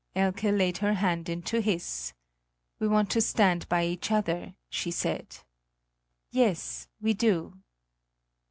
Elke laid her hand into his: "We want to stand by each other," she said. "Yes, we do."